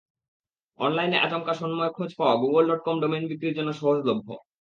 অনলাইনে আচমকা সন্ময় খোঁজ পান গুগল ডটকম ডোমেইন বিক্রির জন্য সহজলভ্য।